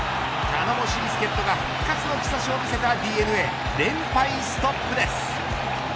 頼もしい助っ人が復活の兆しを見せたＤｅＮＡ連敗ストップです。